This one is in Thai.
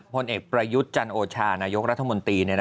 ผลเอกประยุทธ์จันโอชานายกรัฐมนตรี